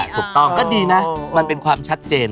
ถูกต้องก็ดีนะมันเป็นความชัดเจน